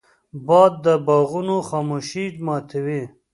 باد د باغونو خاموشي ماتوي